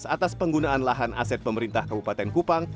atas penggunaan lahan aset pemerintah kabupaten kupang